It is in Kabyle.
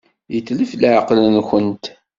Yetlef leɛqel-nwent.